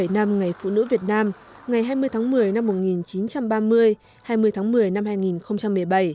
bảy mươi năm ngày phụ nữ việt nam ngày hai mươi tháng một mươi năm một nghìn chín trăm ba mươi hai mươi tháng một mươi năm hai nghìn một mươi bảy